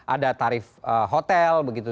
ada tarif hotel begitu